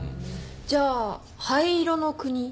じゃあ「灰色のくに」？